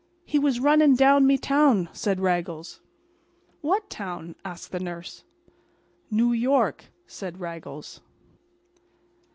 "He was runnin' down me town," said Raggles. "What town?" asked the nurse. "Noo York," said Raggles.